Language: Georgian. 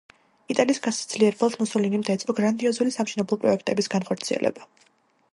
იტალიის გასაძლიერებლად მუსოლინიმ დაიწყო გრანდიოზული სამშენებლო პროექტების განხორციელება.